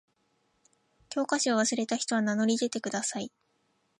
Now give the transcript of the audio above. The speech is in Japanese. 教科書を忘れた人は名乗り出てください。